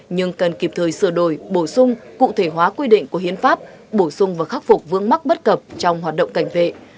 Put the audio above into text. nhưng cần kịp thời sửa đổi bổ sung cụ thể hóa quy định của hiến pháp bổ sung và khắc phục vương mắc bất cập trong hoạt động cảnh vệ